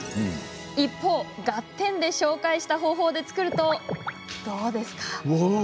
一方、「ガッテン！」で紹介した方法で作るとどうですか？